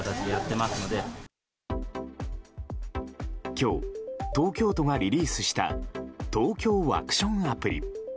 今日、東京都がリリースしたＴＯＫＹＯワクションアプリ。